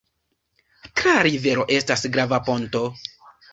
Tra la rivero estas grava ponto.